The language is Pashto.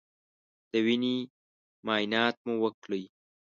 د وینې معاینات مو وکړی